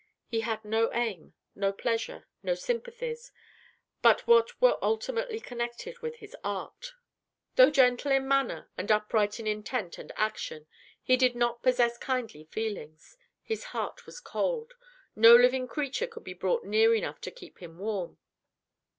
He had no aim no pleasure no sympathies but what were ultimately connected with his art. Though gentle in manner, and upright in intent and action, he did not possess kindly feelings; his heart was cold; no living creature could be brought near enough to keep him warm.